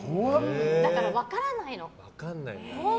だから分からないの。